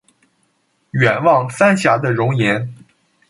远望三峡的容颜